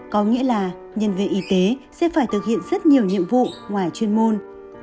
có nghĩa là nhân viên y tế sẽ phải thực hiện rất nhiều nhiệm vụ ngoài chuyên môn